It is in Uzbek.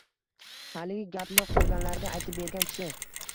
Haligi gapni qolganlarga aytib bergan kishi: